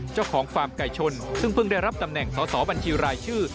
ฟาร์มไก่ชนซึ่งเพิ่งได้รับตำแหน่งสอสอบัญชีรายชื่อ